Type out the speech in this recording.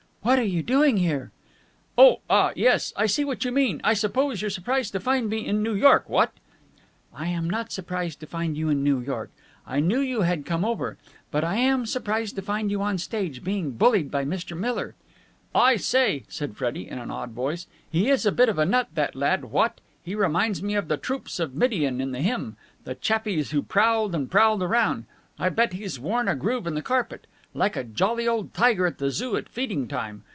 "What are you doing here?" "Oh, ah, yes! I see what you mean! I suppose you're surprised to find me in New York, what?" "I'm not surprised to find you in New York. I knew you had come over. But I am surprised to find you on the stage, being bullied by Mr. Miller." "I say," said Freddie in an awed voice. "He's a bit of a nut, that lad, what? He reminds me of the troops of Midian in the hymn. The chappies who prowled and prowled around. I'll bet he's worn a groove in the carpet. Like a jolly old tiger at the Zoo at feeding time.